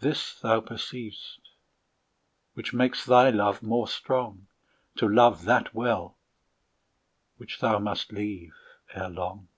This thou perceiv'st, which makes thy love more strong, To love that well, which thou must leave ere long.